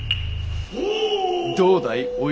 どうだい？